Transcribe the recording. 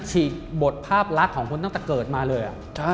ฉีกบทภาพลักษณ์ของคุณตั้งแต่เกิดมาเลย